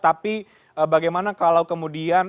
tapi bagaimana kalau kemudian